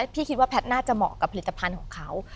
พี่คิดว่าแพทย์น่าจะเหมาะกับผลิตภัณฑ์ของเขา